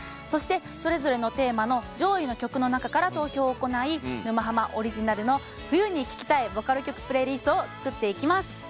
そしてそれぞれのテーマの上位の曲の中から投票を行い「沼ハマ」オリジナルの冬に聴きたいボカロ曲プレイリストを作っていきます。